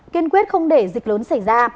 kiên quyết không để dịch lớn xảy ra